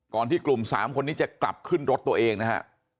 ที่กลุ่ม๓คนนี้จะกลับขึ้นรถตัวเองนะฮะ